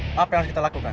apa yang harus kita lakukan